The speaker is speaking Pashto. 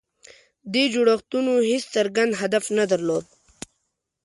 دې جوړښتونو هېڅ څرګند هدف نه درلود.